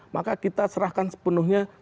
maka kita serahkan sepenuhnya